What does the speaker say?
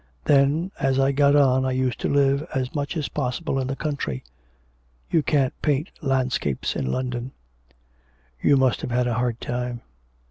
Then, as I got on, I used to live as much as possible in the country. You can't paint landscapes in London.' 'You must have had a hard time.'